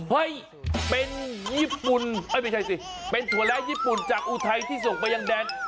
เฮ้ยเป็นญี่ปุ่นไม่ใช่สิเป็นถั่วแร้ญี่ปุ่นจากอุทัยที่ส่งมายังแดน